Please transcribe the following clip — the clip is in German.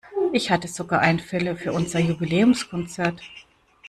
Ich hatte sogar Einfälle für unser Jubiläumskonzert.